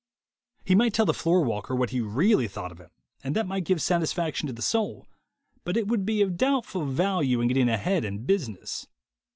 He might tell the floor walker what he really thought of him, and that might give satisfaction to the soul, but it would be of doubtful value in getting ahead in business.